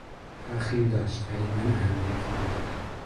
او تاخیر داشت ولی من اهمیتی ندادم.